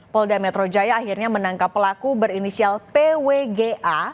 polda metro jaya akhirnya menangkap pelaku berinisial pwga